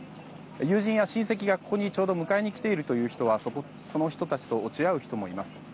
友人や親戚がここにちょうど迎えに来ているという人はその人たちと落ち合う人もいます。